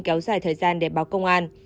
kéo dài thời gian để báo công an